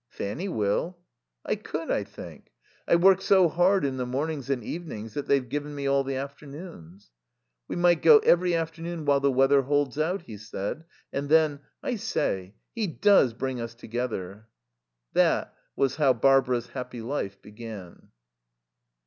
"Fanny will." "I could, I think. I work so hard in the mornings and evenings that they've given me all the afternoons." "We might go every afternoon while the weather holds out," he said. And then: "I say, he does bring us together." That was how Barbara's happy life began.